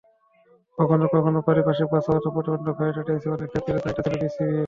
কখনো কখনো পারিপার্শ্বিক বাস্তবতা প্রতিবন্ধক হয়ে দাঁড়িয়েছে, অনেক ক্ষেত্রে দায়টা ছিল বিসিবির।